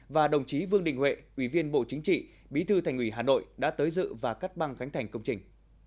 và đồng chí vương đình huệ ủy viên bộ chính trị bí thư thành ủy hà nội đã tới dự và cắt băng khánh thành công trình